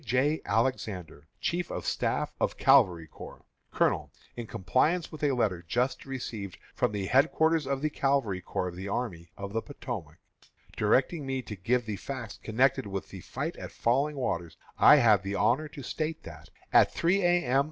J. Alexander, Chief of Staff of Cavalry Corps_: COLONEL: In compliance with a letter just received from the headquarters of the Cavalry Corps of the Army of the Potomac, directing me to give the facts connected with the fight at Falling Waters, I have the honor to state that, at three A. M.